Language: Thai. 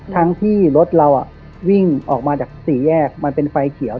ทั้งที่รถเราวิ่งออกมาจากสี่แยกมันเป็นไฟเขียว